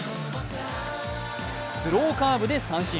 スローカーブで三振。